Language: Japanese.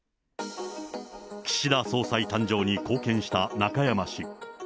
岸田総裁誕生に貢献した中山氏。